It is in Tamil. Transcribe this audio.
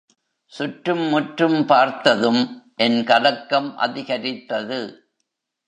சுற்றும் முற்றும் பார்த்ததும் என் கலக்கம் அதிகரித்தது.